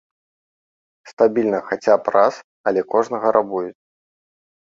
Стабільна хаця б раз, але кожнага рабуюць.